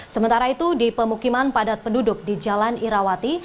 sementara itu di pemukiman padat penduduk di jalan irawati